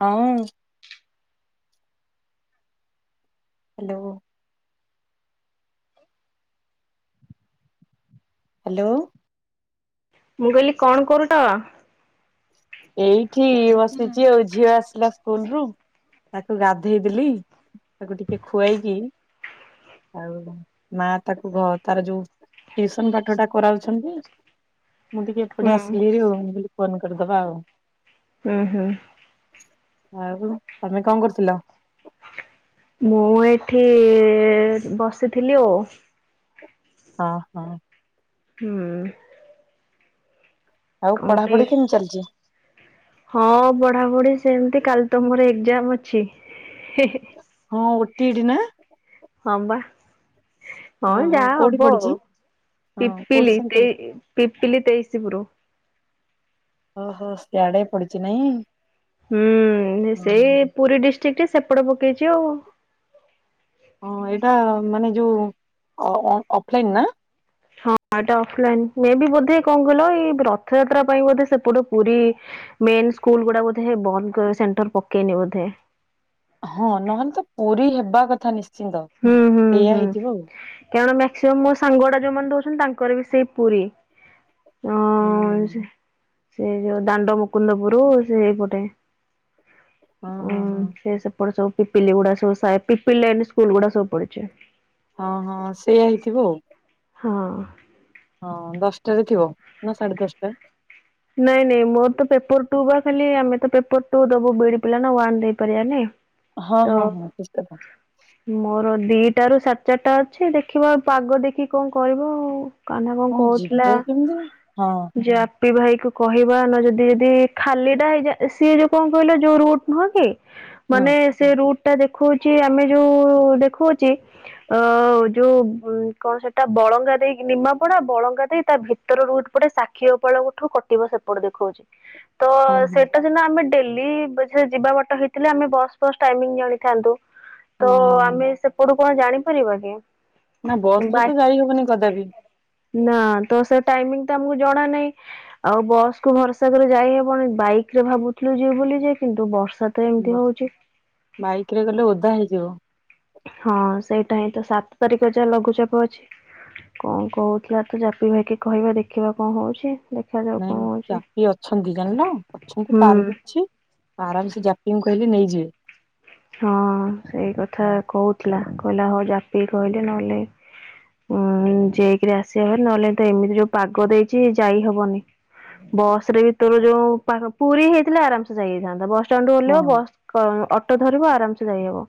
ହଁ [unintelligible] hello. Hello. ମୁଁ କହିଲି କଣ କରୁଛ? ଏଇଠି ବସିଛି ଆଉ ଝିଅ ଆସିଲା ସ୍କୁଲ ରୁ ତାକୁ ଗାଧେଇଦେଲି ତାକୁ ଟିକେ ଖୁଆଇକି ଆଉ ମା ତାକୁ ଘ ତାର ଯୋଉ ଟ୍ୟୁସନ ପାଠଟା କରାଉଛନ୍ତି ମୁଁ ଟିକେ ହୁଁ ଏପଟେ ଆସିଲି ଜଉ ମୁଁ କହିଲି ଫୋନ କରିଦବା ଆଉ। ହୁଁ ହୁଁ। ଆଉ ତମେ କଣ କରୁଥିଲ? ମୁଁ ଏଠି ବସିଥିଲି ଆଉ। ହଁ ହଁ। ହୁଁ। ଆଉ କଣ ପଢାପଢି କେମିତି ଚାଲିଛି? ହଁ ପଢାପଢି ସେମିତି କାଲି ତମୋର ଏଜାମ ଅଛି। ହେ ହେ ହଁ ଓଟି ଇଟି ନା? ହଁବା। ହଁ ଓହୋ ଯାହା କୋଉଠି ହବ ପଡିଛି? ଆଉ ହଁ କୋଉଠି ପିପିଲି ସେଣ୍ଟର? ତେଇ ପିପିଲି ତେଇଶିପୁରୁ। ଓହୋ ସିଆଡେ ପଡିଛି ନାଇଁ? ହୁଁ ହଁ। ସେଇ ପୁରୀ ଡିଷ୍ଟ୍ରିକ୍ଟରେ ସେପଟ ପକେଇଛି ଆଉ। ହଁ ଏଇଟା ମାନେ ଯୋଉ ଅ ଅ ଅଫଲାଇନ ନା? ହଁ ଏଟା ଅଫଲାଇନ ମେବି ବୋଧେ କଣ କହିଲ ଏଇ ରଥଯାତ୍ରା ପାଇଁ ବୋଧେ ସେପଟ ପୁରୀ ମେନ ସ୍କୁଲ ଗୁଡା ବୋଧେ ବନ୍ଦ ସେଣ୍ଟର ପକେଇନି ବୋଧେ। ହଁ ନହେଲେ ତ ପୁରୀ ହେବା କଥା ନିଶ୍ଚିନ୍ତ। ହୁଁ, ହୁଁ, ସେଇଆ ହୁଁ ହେଇଥିବ କାରଣ ମାକ୍ସିମମ୍ ମୋ ସାଙ୍ଗଗୁଡା ଯୋଉମାନେ ଦଉଛନ୍ତି ତାଙ୍କର ବି ସେଇ ପୁରୀ। ହଁ ଆଉ। ସେ ସେ ଯୋଉ ଦାଣ୍ଡ ମୁକୁନ୍ଦପୁରୁ ସେଇପଟେ ହୁଁ ହଁ ଉଁ ହଁ ହଁ ସେ ସେପଟେ ସବୁ ପିପିଲ ଗୁଡା ସବୁ ସାଇ ପିପିଲି ଲାଇନ ସ୍କୁଲ ଗୁଡା ସବୁପଡିଛି। ହଁ ହଁ ସେଇଆ ହେଇଥିବ ଆଉ। ହଁ। ହଁ ଦଶଟାରେ ଥିବ ନା ସାଢେ ଦଶଟା? ନାଇଁ ନାଇଁ ମୋରୋ ତ ପେପର ଟୁ ବା ଖାଲି ଆମେ ତ ପେପର ଟୁ ଦୋବୁ ବିଡି ପିଲା ୱାନ ଦେଇପାରିବାନି। ହଁ ହଁ ହଁ ଠିକ କଥା। ମୋରୋ ଦିଟା ରୁ ସାଢେ ଚାରିଟା ଅଛି ଦେଖିବା ପାଗ ଦେଖି କଁ କରିବ ଆଉ। କାହ୍ନା କଁ ହଁ କୋହୁଥୁଲା ଯିବ କେମିତି ହଁ ଯା ପି ଭାଇକୁ କହିବା [unintelligible] ଯଦି ଯଦି ଖାଲିଟା ହେଇଯା ସିଏ ଯେଉଁ କଁ କହିଲ ଯେଉଁ ରୁଟ୍ ନୁହଁ କି ହଁ ମାନେ ସେ ରୁଟ ଟା ଦେଖୋଉଚି ଆମେ ଯୋଉ ଦେଖୋଉଚି ଅଁ ଯୋଉ କଣ ସେଟା ବଳଙ୍ଗା ଦେଇକି ନିମାପଡା ବଳଙ୍ଗା ଦେଇ ତା ଭିତ ତର ରୁଟ ପଟେ ସାକ୍ଷୀ ଗୋପାଳଙ୍କଠୁ କଟିବ ସେପଟେ ଦେଖୋଉଛି ତ ହଁ ହଁ। ସେଇଟା ସିନା ଆମେ ଡେଲ୍ଲୀ [unintelligible] ଯିବା ବାଟ ହେଇଥିଲେ ଆମେ ବସ୍ ଫସ୍ ଟାଇମିଙ୍ଗି ଜଣିଥାନ୍ତୁ। ତ ହଁ ଆମେ ସେପଟୁ କଁ ଆଉ ଜାଣିପାରିବା କି? ନା ବସରେ ବାଇ ତ ଯାଇ ହବନି କଦାପି। ନା ତ ସେ ଟାଇମିଙ୍ଗି ତ ଆମୁକୁ ଜଣା ନାହିଁ। ଆଉ ବସ୍ କୁ ଭରସା କରି ଯାଇ ହବନି ବାଇକରେ ଭାବୁଥୁଲୁ ଯିବୁ ବୋଲି ଯେ କିନ୍ତୁ ବର୍ଷା ତ ଏମିତି [unintelligible] ହଉଛି। ବାଇକରେ ଗଲେ ଓଦା ହେଇଯିବ। ହଁ ସେଇଟା ହିଁ ତ ସାତ ତାରିଖ ଯାହା ଲଘୁଚାପ ଅଛି। କଣ କୋହୁଥିଲା ତ ଜାପି ଭାଇକି କହିବା ଦେଖିବା କଁ ହୋଉଛି। ନାଇଁ ଜାପି ଅଛନ୍ତି ଜାଣିନ ଅଛନ୍ତି କାର ବି ହୁଁ ଅଛି। ଆରାମ ସେ ଜାପିଙ୍କୁ କହିଲେ ନେଇଯିବେ। ହଁ ସେଇ କଥା ହଁ କୋହୁଥୁଲା କହିଲା ହଉ ଜାପିକି କହିଲେ ନହେଲେ ଉଁ ଯାଇକିରି ଆସିବା ଭାରି ନହେଲେ ତ ଏମିତି ଯୋଉ ପାଗ ଦେଇଛି ଯାଇ ହବନି। ବସରେ ବି ତୋରୋ ଯୋଉ ପାଗ ପୁରୀ ହେଇଥିଲେ ଆରାମସେ ଯାଇାହେଇଥାନ୍ତା ବସ ଷ୍ଟାଣ୍ଡରୁ ଓଲ୍ହେଇବ ହଁ ବସ୍ କ ଅଟ ଧରିବ ଆରାମସେ ଯାଇହବ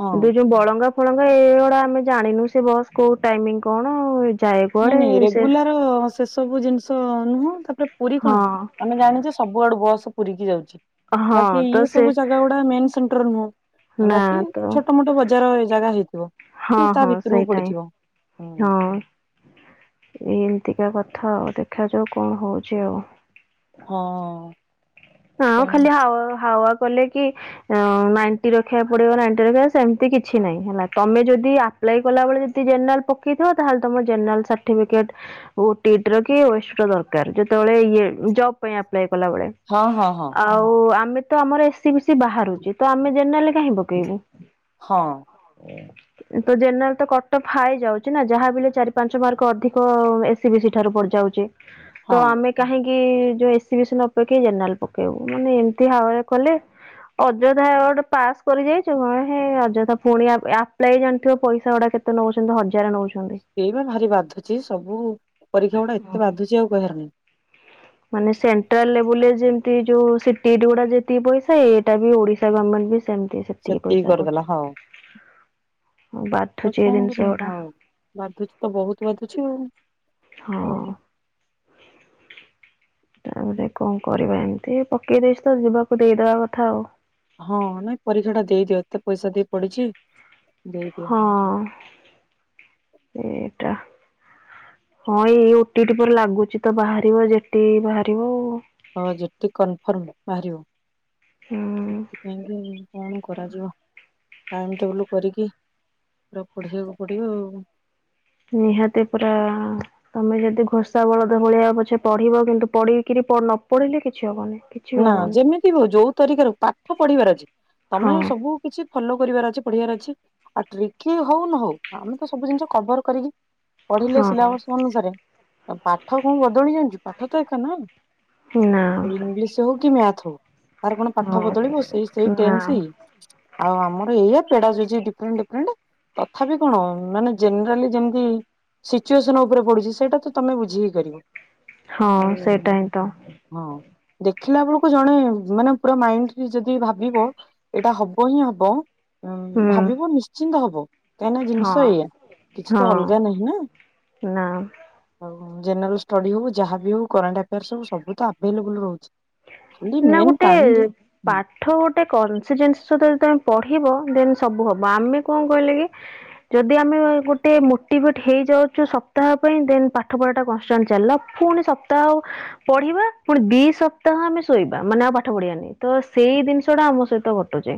ହଁ କିନ୍ତୁ ଯୋଉ ବଳଙ୍ଗା ଫଳଙ୍ଗା ଏଗୋଡା ଆମେ ଜାଣିନୁ ସେ ବସ୍ କୋଉ ଟାଇମିଙ୍ଗି କଣ [unintelligible] ନାଇଁ ନାଇଁ ସେ ରେଗୁଲାର ସେସବୁ ଜିନିଷ ନୁହଁ ତାପରେ ପୁରୀ କଣ ହଁ ଆମେ ଜାଣିଚେ ସବୁଆଡୁ ବସ ପୁରୀକି ଯାଉଛି ହଁ ବାକି ତ ଇଏ ସେ ସବୁ ଜାଗା ଗୁ ଡା ମେନ ସେଣ୍ଟର ନୁହଁ ନା ବାକି ତ ଛୋଟୋ ମୋଟୋ ବଜାର ଜାଗା ହେଇଥିବ। ହଁ କି ତା ହଁ ଭିତୁରୁକୁ ସେଇଟା ହିଁ ପଡିଥିବ। ହୁଁ ହଁ ଏନ୍ତିକା କଥା ଆଉ ଦେଖାଯାଉ କଣ ହୋଉଚି ଆଉ। ହଁ। ହଁ ତେଣୁ ଖାଲି [unintelligible] ହାୱା କଲେ କି [unintelligible] ନାଇଣ୍ଟି ରଖିବାକୁ ପଡିବ ନାଇଣ୍ଟି ରଖିବା ସେମିତି କିଛି ନାଇଁ ହେଲା ତମେ ଯଦି ଆ ପ୍ଲାଇ କଲାବୋଳେ ଯଦି ଜେନେରାଲ ପକେଇଥିବ ତାହେଲେ ତମର ଜେନେରାଲ ସାର୍ଟିବିକେଟ୍ ଓଟି ଏଟିର କି [unintelligible] ଦରକାର ଯେତୋବୋଳେ ଇଏ ଜବ ପାଇଁ ଆପ୍ଲାଏ କଲା ବେଳେ। ହଁ ହଁ ହଁ। ଆଉ ଆମେ ତ ଆମର ଏସିି ବିସିି ବାହାରୁଚି ତ ଆମେ ଜେନେରାଲ କାହିଁ ପକେଇବୁ। ହଁ। ଉଁ ତ ଜେନେରାଲ ତ କଟଫ ହାଇ ଯାଉଚି ନା ଯାହାବି ହେଲେ ଚାରି ପାଞ୍ଚ ମାର୍କ ଅଧିକ ଏ ସି ବି ସି ଠାରୁ ପଡିଯାଉଚି। ତ ହଁ ଆମେ କାହିଁକି ଯୋଉ ଏସି ବିସି ନା ପ କେଇ ଜେନେରାଲ ପକେଇବୁ ମାନେ ଏମିତି [unintelligible] କଲେ ଅଯୋଥା ଗୋଟେ ପାସ୍ କରି ଯାଇଚୁ କଣ ହେଇ ଅଯୋଥା ଫୁଣି ଆପ୍ ଆପ୍ଲାଏ ଜାଣିଥିବ ପଇସା ଗୁଡା କେ ନୋଉଛନ୍ତି ହଜାର ନୋଉଛ ସେଇ ବା ଭାରି ବାଧୁଛି ସବୁ ପରୀକ୍ଷା ଗୁଡା ଏତେ ବାଧୁଛି ଆଉ କହିବାର ନାଇଁ। ମାନେ ସେଣ୍ଟ୍ରାଲ ଲେବୁଲରେ ଯେମିତି ଯୋଉ ସିଟି ଇଟି ଗୁରା ଯେତିକି ପଇସା ଏଇଟା ବି ଓଡିଶା ଗମେଣ୍ଟ ବି ସେମିତି ସେତିକି ପଇସା କରିଦେଲା କରୁଛି। ହଉ ଆଉ ବାଧୁଛି ଏ କଣ କରିବ ଜିନିଷ ଗୁଡା ହଉ ବାଧୁଛି ତ ବୋହୁତ ବାଧୁଛି ଆଉ ହଁ। ହୋଉ। ତାପରେ କଁ କରିବା ଏମିତି ପକେଇ ଦେଇଛି ତ ଯିବାକୁ ଦେଇଦବା କଥା ଆଉ। ହଁ ନାଇଁ ପରୀକ୍ଷା ଟା ଦେଇଦିଅ ଏତେ ପଇସା ଦେଇ ପଡିଛି ଦେଇଦିଅ। ହଁ ଏଇଟା ହଁ ଏଇ ଓ ଟି ଟି ପରେ ଲାଗୁଚି ତ ବାହାରିବ ଯେ ଟି ବାହାରିବ ଆଉ। ହଁ ଯେ ଟି କନଫର୍ମ ବାହାରିବ ହୁଁ ସେଥିପାଇଁ କି କଣ କୋ କରାଯିବ ଟାଇମ୍ ଟେବୁଲ୍ କରିକି ପୁରା ପଢେବାକୁ ପଡ଼ିବ ଆଉ। ନିହାତି ପୁରା ତମେ ଯଦି ଘୋଷା ବଳଦ ଭଳିଆ ପଛେ ପଢିବ କିନ୍ତୁ ପଡିକିରି ନ ପଢିଲେ କିଛି ହବନି। କିଛି ବି ନା ହବନି। ଯେମିତି ହୋଉ ଯୋଉ ତରିକାରେ ପାଠ ପଢିବାର ଅଛି ତମେ ହଁ ସବୁ କିଛି ଫଲୋ କରିବାର ଅଛି ପଢିବାର ଅଛି। ଆଉ ଟ୍ରିକ ହୋଉ ନ ହୋଉ ଆମେ ତ ସବୁ ଜିନିଷ କଭର କରିକି ପଢିଲେ ହଁ ସିଲାବସ ଅନୁସାରେ। ପାଠ କୋଉ ବଦଳି ଜାଣିଛି ପାଠ ତ ଏକା ନା। ନା ସେ ଇଂଲିସ୍ ହୋଉ କି ମ୍ୟାଥ ହୋଉ। ତାର କଣ ପାଠ ବଦଳିବ ସେଇ ହଁ ସେଇ ନା ଟେନ୍ସ ସେଇ ଆଉ ଆମର ଏଇଆ ପେଡା ଯଜି ଡିଫରେଣ୍ଟ ଡିଫରେଣ୍ଟ ତଥାପି କଣ ମାନେ ଜେନେରାଲି ଯେମିତି ସିଚୁଏସନ ଉପରେ ପଡୁଛି ସେଇଟା ତମେ ବୁଝିି କରିବ। ହଁ ଆଉ ସେଇଟା ହିଁ ତ ହଁ। ଦେଖିଲା ବେଳକୁ ଜଣେ ମାନେ ପୁରା ମାଇଣ୍ଡଲି ଯଦି ଭାବିବ ଏଇଟା ହବ ହିଁ ହବ। ଉଁ ହୁଁ ଭାବିବ ନିଶ୍ଚିନ୍ତ ହବ। କାହିନା ହଁ ଜିନିଷ ଏଇା କିଛି ହଁ ତ ଅଲଗା ନାହିଁ ନା। ନା ଆଉ ଜେନେରାଲ ଷ୍ଟଡି ହୋଉ ଯାହାବି ହୋଉ କରେଣ୍ଟ ଆଫୋର୍ସ ହୋଉ ସବୁ ତ ଆଭେଲେବୁଲ ରୋହୁଛି। ନା ଗୋଟେ ପା ଆଠ ଗୋଟେ କନସିଜେନ୍ସ ଯଦି ତମେ ପଢ଼ିବ ଦେନ୍ ସବୁ ହବ ଆମେ କଣ କହିଲେ କି ଯଦି ଆମେ ଗୋଟେ ମୋଟିଭେଟ୍ ହେଇଯାଉଚୁ ସପ୍ତାହ ପାଇଁ ଦେନ୍ ପାଠ ପଢ଼ାଟା କନଷ୍ଟାଣ୍ଟ ଚାଲଲା। ଫୁଣି ସପ୍ତାହ ପଢିବା ଫୁଣି ଦିଇ ସପ୍ତାହ ଆମେ ଶୋଇବା ମାନେ ଆଉ ପାଠ ପଢିବାନି ତ ସେଇ ଜିନିଷ ଟା ଆମ ସହିତ ଘଟୁଚି।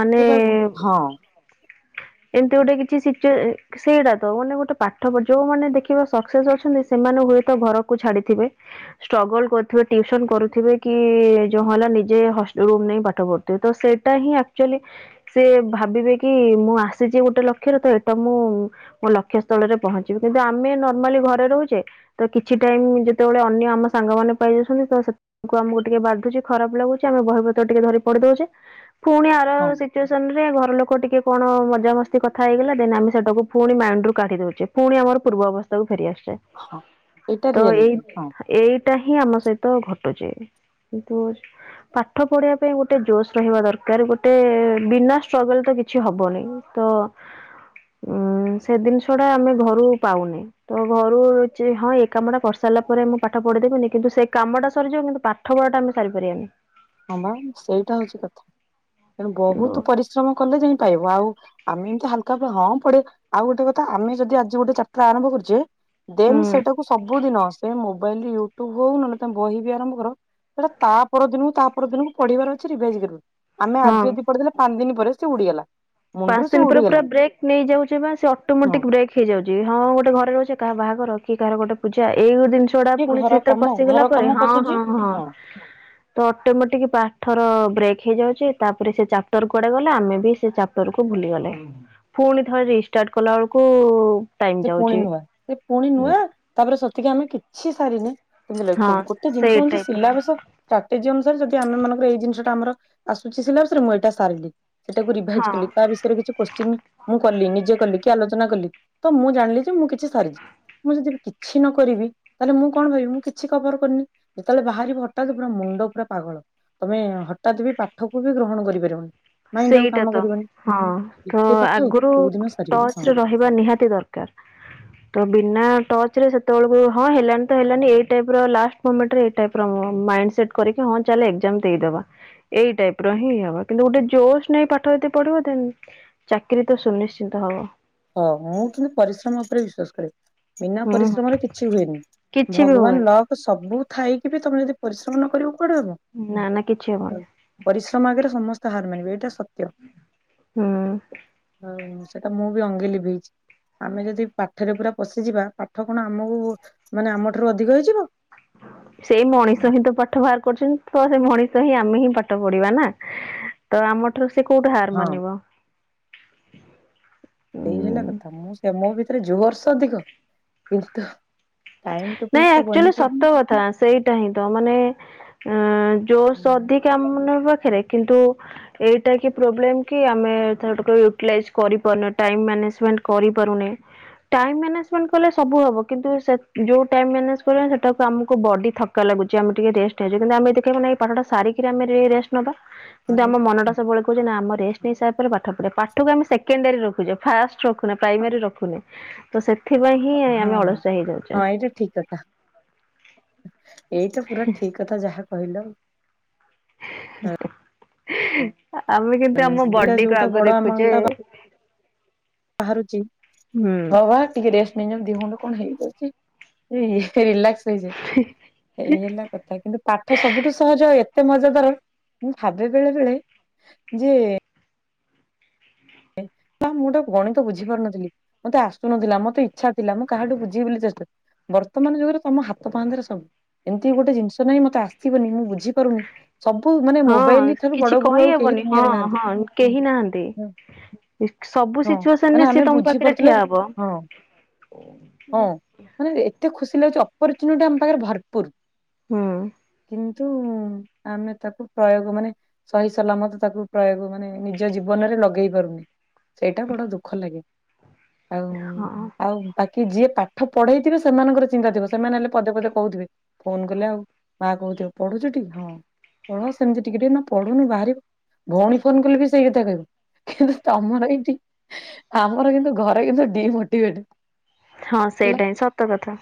ମାନେ ହଁ ଏମିତି ଗୋଟେ କିଛିି ସିଚୁଏ ସେଇଟା ତ ମାନେ ଗୋଟେ ପାଠପ ଯୋଉମାନୋନେ ଦେଖିବା ସକ୍ସେସ୍ ଅଛନ୍ତି ସେମାନେ ହୁଏତ ଘରକୁ ଛାଡିଥିବେ। ଷ୍ଟ୍ରଗଲ୍ କରୁଥିବେ ଟିୁସନ କରୁ ଥିବେ କି ଯୋଉ ହେଲା ନିଜେ ହସ୍ ରୁମ୍ ନେଇ ପାଠ ପଢୁଥିବେ ତ ସେଇଟା ହିଁ ଆକ୍ଚୁଏଲି ସେ ଭାବିବେ କି ମୁଁ ଆସିଚି ଗୋଟେ ଲକ୍ଷରେ ତ ଏଟା ମୁଁ ମୋ ଲକ୍ଷ୍ୟସ୍ଥଳରେ ପହଞ୍ଚିବି କିନ୍ତୁ ଆମେ ନର୍ମାଲି ଘରେ ରୋହୁଚେ ତ କିଛି ଟାଇମ ଯେତେବେଳେ ଅନ୍ୟ ଆମ ସାଙ୍ଗମାନୋନ ପାଇ ଯାଉଛନ୍ତି ତ ସେ ଆମକୁ ଟିକେ ବାଧୁଚି ଖରାପ ଲାଗୁଚି ଆମେ ବହିପତ୍ର ଟିକେ ଧରି ପଡି ଦୋଉଚେ ପୁଣି ଆର ହଁ ସିଚୁଏସନରେ ଘର ଲୋକ ଟିକେ କଣ ମଜାମସ୍ତି କଥା ହେଇଗଲା ଦେନ୍ ଆମେ ସେଇଟାକୁ ପୁଣି ମାଇଣ୍ଡରୁ କାଢ଼ି ଦୋଉଚେ। ପୁଣି ଆମର ପୂର୍ବସ୍ଥାକୁ ଫେରିଆସୁଚେ। ହଁ ଏଇଟା ତ ଏଇ ରିଆଲିଟି ହଁ। ଏଇଟା ହିଁ ଆମ ସହିତ ଘ ଟୁଚି ଏନ୍ତି ହୋଉଚି। ପାଠ ପଢିବା ପାଇଁ ଗୋଟେ ଜୋସ୍ ରହିବା ଦରକାର ଗୋଟେ ବିନା ଷ୍ଟ୍ରଗଲ ତ କିଛି ହବନେଇ। ତ ଉଁ ସେ ଦିନସ ଟା ଆମେ ଘରୁ ପାଉନେ। ତ ଘରୁଚି ହଁ ଏ କାମ ଟା କରିସାରିଲା ପରେ ମୁଁ ପାଠ ପଢିଦେବିନନି କିନ୍ତୁ ସେ କାମଟା ସରିଯିବ କିନ୍ତୁ ପାଠ ପଢାଟା ଆମେ ସାରିପାରିବାନି। ହଁ ପା ସେଇଟା ହୋଉଚି କଥା ତେଣୁ କିନ୍ତୁ ବୋହୁତ ପରିଶ୍ରମ କଲେ ଯାଇ ପାଇବ ଆଉ। ଆମେ ଏମିତି ହାଲକା ହଁ ପଢ଼ିବା। ଆଉ ଗୋଟେ କଥା ଆମେ ଯଦି ଆଜି ଗୋଟେ ଚାପ୍ଟର ଆରଭ କରୁଚେ ଦେନ୍ ହୁଁ ସେଟାକୁ ସବୁ ଦିନ ସେ ମୋବାଇଲ ୟୁଟ୍ୟୁବ ହୋଉ ନହେଲେ ତମେ ବହି ବି ଆରମ୍ କର ସେଇଟା ତା ପରଦିନକୁ ତା ପର ଦିନକୁ ପଢିବାର ଅଛି ରିଭାଇଜ୍ ଆମେ ଆଜି ହଁ ଯଦି ପଢିଦଲେ ପାଞ୍ଚ ଦିନ ପରେ ସେ ଉଡିଗଲା। ମୁଣ୍ଡରୁ ପାଞ୍ଚ ସେ ଦିନ ପରେ ପୁରା ଉଡିଗଲା ବ୍ରେକ୍ ନେଇଯାଉଚି ପା ସେ ହଁ ଅଟୋମେଟିକ ବ୍ରେକ୍ ହେଇ ଯାଉଚି ହଁ ଗୋଟେ ଘରେ ରହୁଚେ କାହା ବାହାଘ କି କହାର ଗୋଟେ ପୂଜା ଏଇ ଗୋ ଦିନିଷ ଚୋଡା କିଏ ପୁଣି ଘର ଚିତ୍ର କାମ ପଶିଗଲା ଘର ପରେ କାମ ହଁ ହଁ ପଶୁଛି ହଁ। ତ ଅଟୋମେଟିକ ପାଠର ବ୍ରେକ୍ ହେଇଯାଉଛି ତାପରେ ସେ ଚାପ୍ଟର କୁଆଡେ ଗଲା ଆମେ ବି ସେ ଚା ରକୁ ଭୁଲିଗଲେ ପୁଣି ଥରେ ରିଷ୍ଟାର୍ଟ କଲା ବେଳକୁ ଟାଇମ ସେ ପୁଣି ଯାଉଛି। ନୂଆ ସେ ପୁଣି ନୂଆ ତାପରେ ସେତିକି ଆମେ କିଛି ସାରିନି। ତମତି ହଁ ଲୋକ ଗୋଟେ ସେଇ ଜିନିଷ ଜିନିଷ ଟାଇପ ର ସିଲାବସ ଷ୍ଟ୍ରାଟେଜି ଅନୁସାରେ ଯଦି ଆମେ ମାନଙ୍କର ଏଇ ଜିନିଷ ଟା ଆମର ଆସୁଛି ସିଲାସରେ ମୁଁ ଏଇଟା ସାରିଲି। ସେଇଟାକୁ ହଁ ରିଭାଇଜ କଲି ତା ବିଷୟରେ କିଛି କୋଶ୍ଚିନ୍ ମୁଁ କଲି ନିଜେ କଲି କି ଆଲୋଚନା କଲି। ତ ମୁଁ ଜାଣିଲି ଯେ ମୁଁ କିଛି ସାରିଛି। ମୁଁ ଯଦି କିଛି ନ କରିବି ତାହେଲେ ମୁଁ କଣ ଭାବିବି ମୁଁ କିଛି କଭର କରିନି। ଯେତେବେଳେ ବାହାରିବ ହଠାତ୍ ପୁରା ମୁଣ୍ଡ ପୁରା ପାଗଳ। ତମେ ହଠାତ୍ ବି ପାଠକୁ ବି ଗ୍ରହଣ କରିପାରିବନି। ମାଇଣ୍ଡ ଆଉ ସେଇଟା କାମ ତ କରିବନି ହଁ ତ ଏତେ ପାଠ ଆଗରୁ କୋଉ ଦିନ ସାରିବନି ହଁ ଟଚରେ ରହ ହିବା ନିହାତି ଦରକାର। ତ ବିନା ଟଚରେ ସେତେବେଳକୁ ହଁ ହେଲାନ ତ ହେଲାନି ଏଇ ଟାଇପ ର ଲାଷ୍ଟ ମୁମେଣ୍ଟଇ ଟାଇପ ମାଇଣ୍ଡ ସେଟ୍ କରିକି ହଁ ଚାଲେ ଏକଜାମ ଦେଇଦବା। ଏଇ ଟାଇପର ହିଁ ହବ କିନ୍ତୁ ଗୋଟେ ଜୋସ୍ ନେଇ ପାଠ ଯଦି ଦେନ ପଢିବ ଚାକିରୀ ତ ସୁନିଶ୍ଚିତ ହବ। ହଁ ମୁଁ କିନ୍ତୁ ପରିଶ୍ରମ ଉପରେ ବିଶ୍ଵାସ କରେ। ବିନା ହୁଁ ହୁଁ ପରିଶ୍ରମରେ କିଛି ହୁଏନି କିଛି ବି ଭଗବାନ ହବନି ଲକ୍ ତ ସବୁ ଥାଇକି ବି ତମେ ଯଦି ପରିଶ୍ରମ ନ କରକୁ କୁଡେ ହବ। ନା ନା କିଛି ହବନି। ପରିଶ୍ରମ ଆଗରେ ସମସ୍ତେ ହାର ମାନିବେ ଏଇଟା ସତ୍ୟ। ହଁ। ହଉ ସେଟା ମୁଁ ବି ଅଙ୍ଗେ ଲିଭେଇଛି। ଆମେ ଯଦି ପାଠରେ ପୁରା ପଶିଯିବା ପାଠ କଣ ଆମକୁ ମାନେ ଆମଠାରୁ ଅଧିକ ହେଇଯିବ। ସେଇ ମଣିଷ ହିଁ ତ ପାଠ ବାହାର କରୁଛନ୍ତି ତ ସେ ମଣିଷ ହିଁ ଆମେ ହିଁ ପାଠ ପଢିବା ନା। ତ ଆମ ଠାରୁ ସେ କୋଉଠି ହାର ହଁ ମାନିବ। ସେଇ ହେଲା ଉଁ। କଥା ମୁଁ ସେ ମୋ ଭିତରେ ଯୁହର୍ଷ ଅଧିକ କିନ୍ତୁ ଟାଇମ ଟେବୁଲ ନାଇଁ ତ ଆଚୁଆଲି ବନି ପାରୁନି। ସତ କଥା ସେଇଟା ହିଁ ତ ମାନେ ଅ ଜୋସ୍ ହଁ ଅଧି ଆମ ମାନଙ୍କ ପାଖରେ କିନ୍ତୁ ଏଇଟା କି ପ୍ରୋବ୍ଲେମ୍ କି ଆମେ ୟୁଟଲାଇଜ କରିପାରୁନେ ଟାଇମ୍ ମେନେଜମେଣ୍ଟ କରିପାରୁନେ। ଟାଇମ ମାନେଜମେଣ୍ଟ କଲେ ସବୁ ହବ କିନ୍ତୁ ସେ ଯୋଉ ଟାଇମ୍ ମ୍ୟାନେଜ କରିବା ସେଟାକୁ ଆମକୁ ବଡ଼ି ଥକ୍କା ଲାଗୁଛି ଆମେ ଟିକେ ରେଷ୍ଟ ହେଇଉଛି କିନ୍ତୁ ଆମେ ଦେଖିବାକୁ ନା ଏଇ ପାଠଟା ସାରିକି ଆମେ ରେଷ୍ଟ ନବା କିନ୍ତୁ ହଁ ଆମ ମନଟା ସବବେଳେ କହୁଛ ନା ଆମରେଷ୍ଟ ହିସାବରେ ପାଠ ପଢେ ପାଠକୁ ଆମେ ସେକେଣ୍ଡାରୀ ରଖଛେ ଫାଷ୍ଟ ରଖୁନ ପ୍ରାଇମାରୀ ରଖୁନି ତ ସେଥିପାଇଁ ହିଁ ଆମେ ଅଳସଆ ହେଇଯାଉଛେ ଠିକ୍ କଥା। ଏଇଟା ପୁରା ଠିକ କଥା ଯାହା କହିଲ। [unintelligible] ଆମେ କିନ୍ତୁ ଆମ ସେଇଟା ବଡିକୁୁ ଯୋଉଟା ଆଗ ବଡ ଆମାଉଣ୍ଟ ଦେଖୁଛେ ଟା ବାହାରୁଛି ହୁଁ ହଁ ବା ଟିକେ ରେଷ୍ଟ [unintelligible] ଦିହୁଣ୍ଡୁ କଣ ହେଇଯାଉଛିି [unintelligible] ରିଲାକ୍ସ ଏଇ ହେଲା କଥ କିନ୍ତୁ ପାଠ ସବୁଠୁ ସହଜ ଏତେ ମଜାଦାର ମୁଁ ଭାବେ ବେଳେ ବେଳେ ଯେ ତା ମୁଁଟା ଗଣିତ ବୁଝି ପାରୁନଥିଲି। ମତେ ଆସୁନଥିଲା ମତେ ଇଚ୍ଛାଥିଲା ମୁଁ କାହାଠୁ ବୁଝି ବୋଲି ଚେଷ୍ଟ ବର୍ତ୍ତମାନ ଯୁଗରେ ତମ ହାତ ପାହାନ୍ତିରେ ସବୁ ଏମିତି ଗୋଟିଏ ଜିନିଷ ନାଇଁ ମତେ ଆସିବନି ମୁଁ ବୁଝିପାରୁନି। ସବୁ ମାନେ ହଁ ମୋବାଇଲ ଠାରୁ କିଛି ବଡ ଗୁରୁ ଆଉ କେହି କହିହବନି ହଁ ଦୁନିଆରେ ନାହାନ୍ତି। ହଁ କେହି ନାହାନ୍ତି। ସବୁ ହଁ ସିଚୁଏସନ ମାନେ ରେ ସିଏ ଆମେ ତମ ବୁଝି ପାଖରେ ପାରୁଥିଲେ ଠିଆ ହବ। ହଁ ହଁ ମାନେ ଏତେ ଖୁସି ଲାଗୁଛି ଅପର୍ଚୁନିଟି ଆମ ପାଖରେ ଭରପୁର। ହୁଁ। କିନ୍ତୁ ଆମେ ତାକୁ ପ୍ରୟୋଗ ମାନେ ସହି ସଲାମତ ତାକୁ ପ୍ରୟୋଗ ମାନେ ନିଜ ଜୀବନରେ ଲଗେଇ ପାରୁନି। ସେଇଟା ବଡ ଦୁଃଖ ଲାଗେ ଆଉ ହଁ। ଆଉ ବାକି ଯିଏ ପାଠ ପଢେଇଥିବେ ସେମାନଙ୍କର ଚିନ୍ତା ଥିବ ସେମାନେ ହେଲେ ପଦେ ପଦେ କହୁଥିବେ ଫୋନ କଲେ ଆଉ ମା କହୁଥିବ ପଢୁଛୁଟି ହଁ। ପଢ ସେମିତି ଟିକେ ଟିକେ ନା ପଢୁନୁ ବାହାରିବ ଭଉଣୀ ଫୋନ କଲେ ବି ସେଇ କଥା କହିବ କିନ୍ତୁ ତମର ଏଇଠି ଆମର କିନ୍ତୁ ଘରେ କିନ୍ତୁ ଡିମୋଟିଭେଟ। ହଁ ହେଲା ସେଇଟା ହିଁ ସତ କଥା।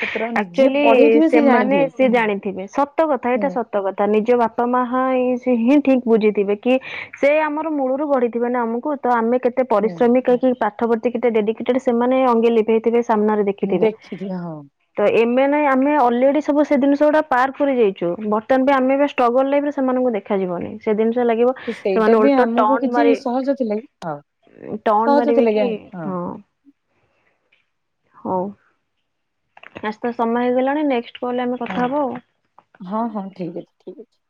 ପୁତୁରା ନିଜେ ଆକ୍ଚୁଆଲି ପଢେଇଥିବେ ସେ ସେମାନେ ଜାଣିଥିବେ ସେ ଜାଣିଥିବେ ସତ କଥା ଏଇଟା ହୁଁ। ସତ କଥା ନିଜ ବାପା ମା ହିଁ ଠିକ ବୁଝିଥିବେ କି ସେ ଆମର ମୂଳରୁ ଗଢିଥିବେ ନା ଆମକୁ। ତ ଆମେ କେତେ ହୁଁ ପରିଶ୍ରମିକ କି ପାଠ ପର୍ତ୍ତି କେତେ ଡେଡିକେଟେଡ୍ ସେମାନେ ଅଙ୍ଗେ ଲିଭେଇଥିବେ ସାମ୍ନାରେ ଦେଖି ଖିଥିବେ। ଦେଖିଥିବେ ହଁ ତ ଏମେ ନାଇଁ ଆମେ ଅଲରେଡି ସବୁ ସେ ଜିନିଷ ଗୁଟା ପାର୍କ ପ ଯାଇଛୁ ବର୍ତ୍ତମାନ ପାଇଁ ଆମେ ବି ଷ୍ଟ୍ରଗଲ୍ ଲାଇଫ ରେ ସେମାନଙ୍କୁ ଦେଖାଯିବନି ସେ ଜିନିଷ ଲାଗିବ ତ ସେଇଟା ସେମାନେ ବି ଉଲଟ ଆମକୁ ଟନ କିଛି ମାରେ ସହଜ ଥିଲା କି ହଁ ଟନ ମାରିବେ କି ହଁ। ହଉ। ଆସ ତ ସମୟ ହେଇଗଲାଣି ନେକ୍ସଟ କଲଲେ ଆମେ ହଁ କଥା ହେବ ଆଉ। ହଁ ହଁ ଠିକ ଅଛି ଠିକ ଅଛି।